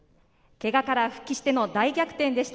けがから復帰しての大逆転でした。